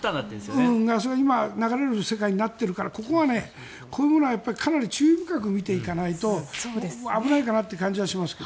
それが流れる世界になっているからこういうものは注意深く見ていかないと危ないかなという感じがしますが。